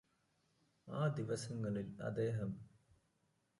ആ ദിവസങ്ങളില് അദ്ദേഹം